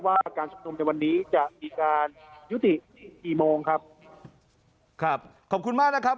ว่าการชุมนุมในวันนี้จะมีการยุติกี่โมงครับครับขอบคุณมากนะครับ